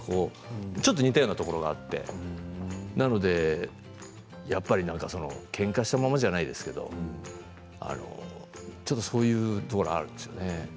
ちょっと似たようなところがあってけんかしたままじゃないですけどそういうところがあるんですよね。